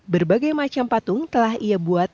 berbagai macam patung telah ia buat